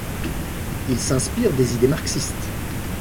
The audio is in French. Il s'inspire des idées marxistes.